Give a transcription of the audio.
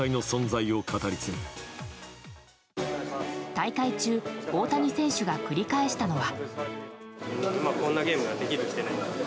大会中、大谷選手が繰り返したのは。